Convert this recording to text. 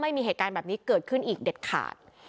ไม่มีเหตุการณ์แบบนี้เกิดขึ้นอีกเด็ดขาด